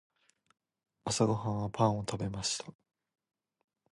朝ごはんはパンを食べました。